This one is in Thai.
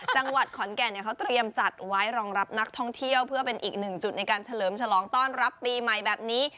จังหวัดขอนแก่นเขาเตรียมจัดไว้รองรับนักท่องเที่ยวเพื่อเป็นอีกหนึ่งจุดในการเฉลิมฉลองต้อนรับปีใหม่แบบนี้